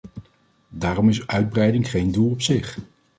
Daarom is uitbreiding geen doel op zich.